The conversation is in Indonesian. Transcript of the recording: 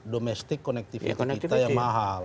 domestik connectivitas kita yang mahal